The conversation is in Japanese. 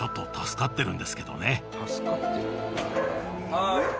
はい。